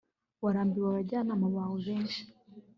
warambiwe abajyanama bawe benshi